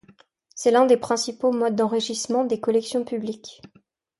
C'est l'un des principaux modes d'enrichissement des collections publiques.